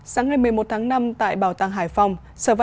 sáng hai mươi một tháng năm tại bảo tàng hải phòng